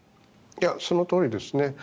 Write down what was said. そのとおりですね。